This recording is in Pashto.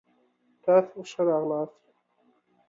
تاسو ښه راغلاست.